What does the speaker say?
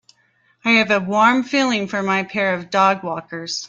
I have a warm feeling for my pair of dogwalkers.